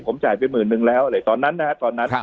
ผมจ่ายไปหมื่นนึงแล้วอะไรตอนนั้นนะฮะตอนนั้น